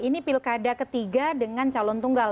ini pilkada ketiga dengan calon tunggal